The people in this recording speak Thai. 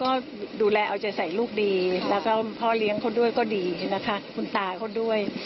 ก็ดูแลเอาใจใส่ลูกดีแล้วก็พ่อเลี้ยงเขาด้วยก็ดีนะคะคุณตาเขาด้วย